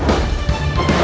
aku akan mengusung dia